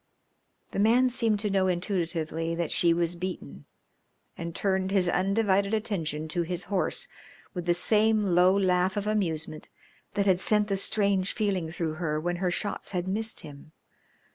The man seemed to know intuitively that she was beaten, and turned his undivided attention to his horse with the same low laugh of amusement that had sent the strange feeling through her when her shots had missed him.